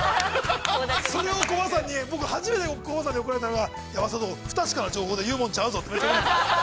◆それをコバさんに、僕初めてコバさんに怒られたのは、山里、不確かな情報で言うもんちゃうぞってね。